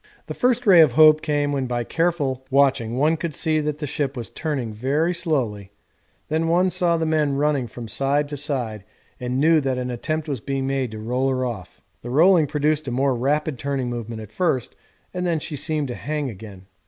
The first ray of hope came when by careful watching one could see that the ship was turning very slowly, then one saw the men running from side to side and knew that an attempt was being made to roll her off. The rolling produced a more rapid turning movement at first and then she seemed to hang again.